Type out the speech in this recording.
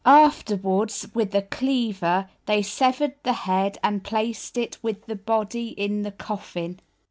Afterwards, with a cleaver, they severed the head and placed it with the body in the coffin.